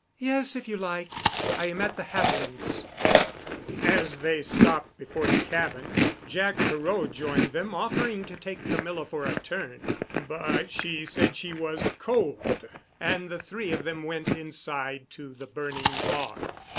"Yes, if you like. I am at the Havilands'." As they stopped before the cabin, Jack Perot joined them, offering to take Camilla for a turn, but she said she was cold, and the three of them went inside to the burning log.